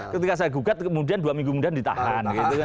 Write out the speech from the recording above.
ketika saya gugat kemudian dua minggu kemudian ditahan